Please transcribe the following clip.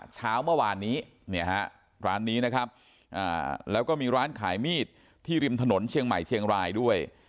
เช้าเมื่อวานนี้ร้านนี้นะครับแล้วก็มีร้านขายมีดที่ริมถนนเชียงใหม่เชียงรายด้วย